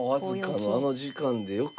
僅かなあの時間でよく。